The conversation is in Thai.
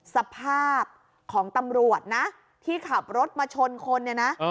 สภาพของตำรวจนะที่ขับรถมาชนคนเนี่ยนะ